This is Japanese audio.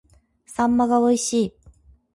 秋刀魚が美味しい